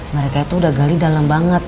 mereka itu udah gali dalam banget